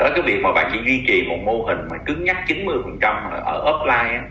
đó là cái việc mà bạn chỉ duy trì một mô hình mà cứng nhắc chín mươi ở offline